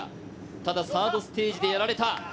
ただ、サードステージでやられた。